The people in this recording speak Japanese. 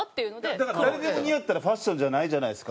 だから誰でも似合ったらファッションじゃないじゃないですか。